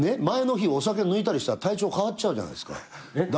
前の日お酒抜いたりしたら体調変わっちゃうじゃないですか。